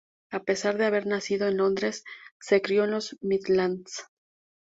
A pesar de haber nacido en Londres, se crio en los Midlands.